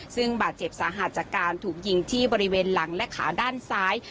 ซึ่งบาดเจ็บสาหัสจากการถูกยิงที่บริเวณหลังและขาด้านซ้าย